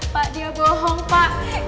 pak dia bohong pak